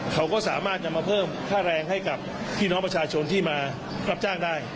เขาก็สามารถจะมาเพิ่มค่าแรงให้กับพี่น้องประชาชนที่มารับจ้างได้